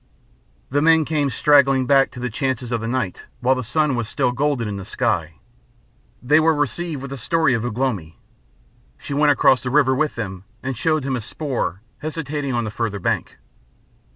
The men came straggling back to the chances of the night while the sun was still golden in the sky. They were received with the story of Ugh lomi. She went across the river with them and showed them his spoor hesitating on the farther bank.